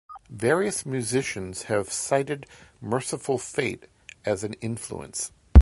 Various musicians have cited Mercyful Fate as an influence.